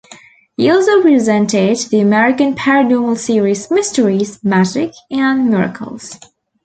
He also presented the American paranormal series Mysteries, Magic and Miracles.